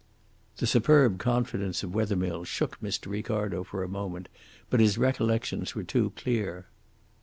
The superb confidence of Wethermill shook Mr. Ricardo for a moment, but his recollections were too clear.